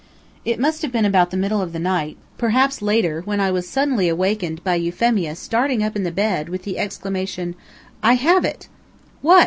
It must have been about the middle of the night, perhaps later, when I was suddenly awakened by Euphemia starting up in the bed, with the exclamation: "I have it!" "What?"